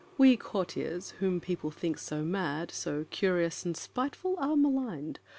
We courtiers, Whom people think so mad, so curious And spiteful, are maligned.